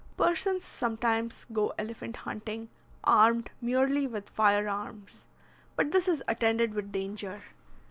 Persons sometimes go elephant hunting, armed merely with firearms; but this is attended with danger.